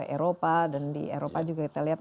eropa dan di eropa juga kita lihat